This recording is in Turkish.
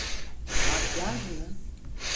Makyaj mı?